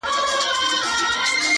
• چي دا ټوله د دوستانو برکت دی ,